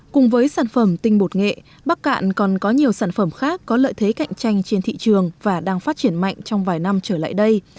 cùng với sản phẩm tinh bột nghệ bắc cạn còn có nhiều sản phẩm khác có lợi thế cạnh tranh trên thị trường và đang phát triển mạnh trong vài năm trở lại đây